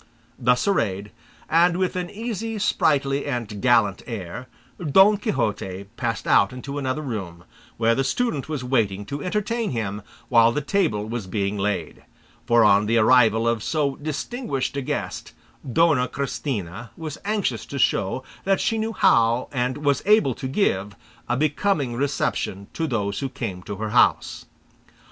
Thus arrayed, and with an easy, sprightly, and gallant air, Don Quixote passed out into another room, where the student was waiting to entertain him while the table was being laid; for on the arrival of so distinguished a guest, Dona Christina was anxious to show that she knew how and was able to give a becoming reception to those who came to her house.